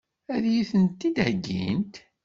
Ad iyi-tent-id-heggint?